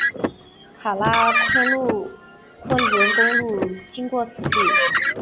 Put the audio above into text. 喀喇昆仑公路经过此地。